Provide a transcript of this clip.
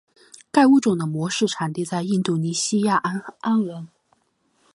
该物种的模式产地在印度尼西亚安汶。